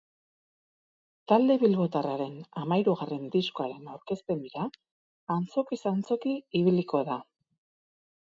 Talde bilbotarraren hamahirugarren diskoaren aurkezpen bira antzokiz antzoki ibiliko da.